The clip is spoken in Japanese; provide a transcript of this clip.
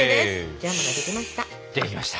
ジャムができました。